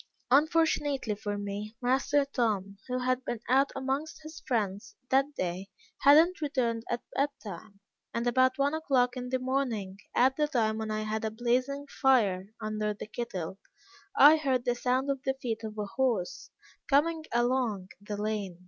Unfortunately for me, master Tom, who had been out amongst his friends that day, had not returned at bed time; and about one o'clock in the morning, at the time when I had a blazing fire under the kettle, I heard the sound of the feet of a horse coming along the lane.